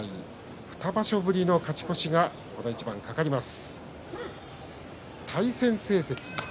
２場所ぶりの勝ち越しがこの一番懸かります。